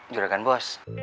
jodoh kan bos